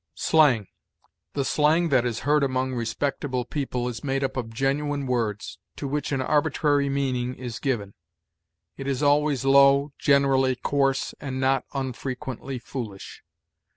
SLANG. The slang that is heard among respectable people is made up of genuine words, to which an arbitrary meaning is given. It is always low, generally coarse, and not unfrequently foolish.